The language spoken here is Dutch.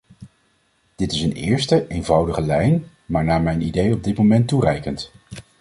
Dit is een eerste, eenvoudige lijn, maar naar mijn idee op dit moment toereikend.